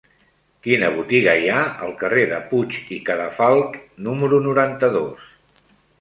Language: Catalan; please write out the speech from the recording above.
Quina botiga hi ha al carrer de Puig i Cadafalch número noranta-dos?